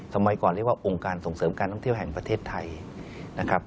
สมัยก่อนเรียกว่าองค์การส่งเสริมการท่องเที่ยวแห่งประเทศไทยนะครับ